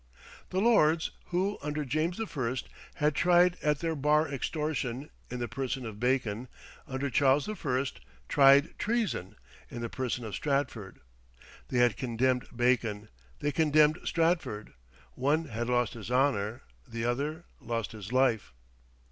The lords who, under James I., had tried at their bar extortion, in the person of Bacon, under Charles I. tried treason, in the person of Stratford. They had condemned Bacon; they condemned Stratford. One had lost his honour, the other lost his life.